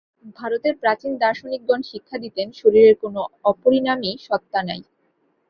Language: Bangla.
ভারতের প্রাচীন দার্শনিকগণ শিক্ষা দিতেন, শরীরের কোন অপরিণামী সত্তা নাই।